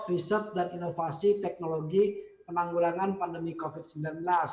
riset dan inovasi teknologi penanggulangan pandemi covid sembilan belas